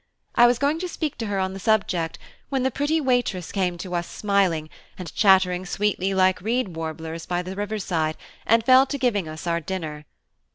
I was going to speak to her on the subject, when the pretty waitresses came to us smiling, and chattering sweetly like reed warblers by the river side, and fell to giving us our dinner.